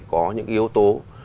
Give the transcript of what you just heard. có những yếu tố